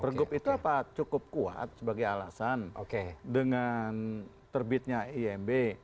pergub itu apa cukup kuat sebagai alasan dengan terbitnya imb